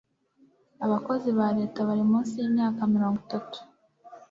abakozi ba Leta bari munsi y'imyaka mirongo itatu